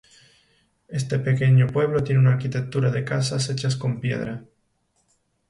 Este pequeño pueblo, tiene una arquitectura de casas hechas con piedra.